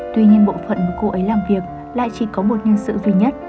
tuy nhiên bộ phận một cô ấy làm việc lại chỉ có một nhân sự duy nhất